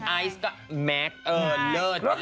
ไอซ์ก็แมตเออเลิศมาก